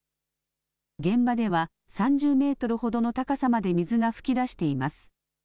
現場では３０メートルほどの高さまで水が噴き出しています。